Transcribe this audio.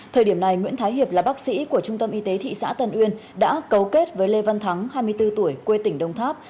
thời điểm này nguyễn thái hiệp là bác sĩ của trung tâm y tế thị xã tân uyên đã cấu kết với lê văn thắng hai mươi bốn tuổi quê tỉnh đồng tháp